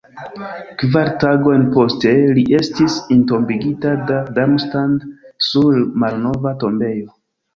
Kvar tagojn poste li estis entombigita en Darmstadt sur la malnova tombejo.